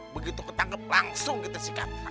begitu ketangkep langsung kita sikat